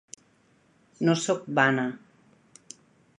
No sóc vana.